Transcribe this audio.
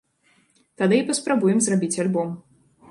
Тады і паспрабуем зрабіць альбом.